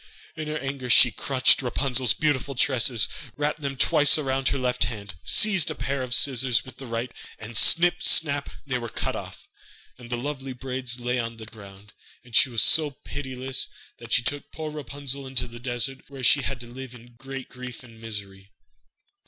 In her anger she clutched Rapunzel's beautiful tresses, wrapped them twice round her left hand, seized a pair of scissors with the right, and snip, snap, they were cut off, and the lovely braids lay on the ground. And she was so pitiless that she took poor Rapunzel into a desert where she had to live in great grief and misery.